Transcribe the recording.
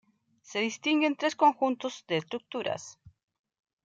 Se distinguen tres conjuntos de estructuras.